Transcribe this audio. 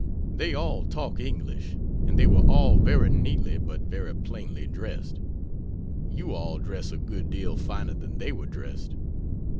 They all talk English and they were all very neatly but very plainly dressed. You all dress a good deal finer than they were dressed.